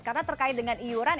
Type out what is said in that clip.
karena terkait dengan iuran